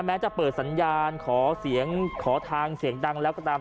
แม้จะเปิดสัญญาณขอเสียงขอทางเสียงดังแล้วก็ตาม